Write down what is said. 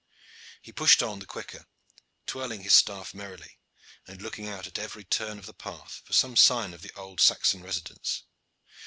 He pushed on the quicker, twirling his staff merrily, and looking out at every turn of the path for some sign of the old Saxon residence.